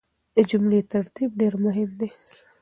د جملې ترتيب ډېر مهم دی.